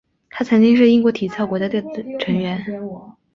他曾经是英国体操国家队的成员。